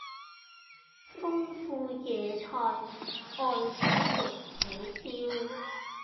豐富野菜愛心玉子燒